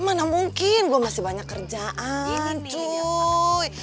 mana mungkin gue masih banyak kerjaan tuh